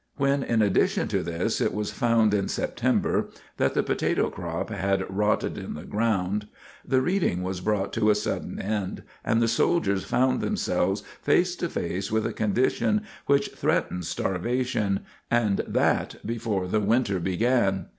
When, in addition to this, it was found in September that the potato crop had rotted in the ground, the reading was brought to a sudden end, and the soldiers found themselves face to face with a condition which threatened starvation, and that before the winter began.